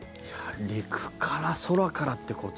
陸から空からってこと？